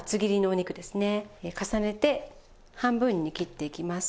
重ねて半分に切っていきます。